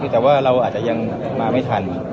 แต่ว่าเราอาจจะยังมาไม่ทัน